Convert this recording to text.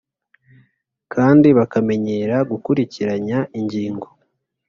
kandi bakamenyera gukurikiranya ingingo